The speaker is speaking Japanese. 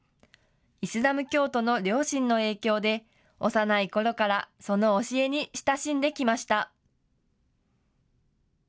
イスラム教徒の両親の影響で幼いころからその教えに親しんできました。